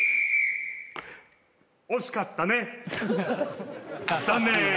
惜しかったね残念。